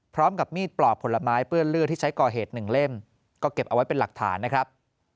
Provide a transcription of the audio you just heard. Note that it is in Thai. พร้อมกับมีดปลอกผลไม้เปื้อนเลือดที่ใช้ก่อเหตุหนึ่งเล่มก็เก็บเอาไว้เป็นหลักฐานนะครับ